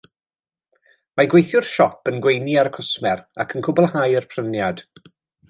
Mae'r gweithiwr siop yn gweini ar y cwsmer ac yn cwblhau'r pryniad